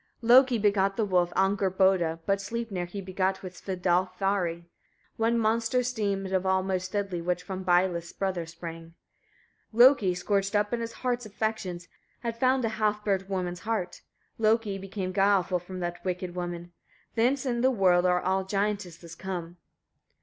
38. Loki begat the wolf with Angrboda, but Sleipnir he begat with Svadilfari: one monster seemed of all most deadly, which from Byleist's brother sprang. 39. Loki, scorched up in his heart's affections, had found a half burnt woman's heart. Loki became guileful from that wicked woman; thence in the world are all giantesses come.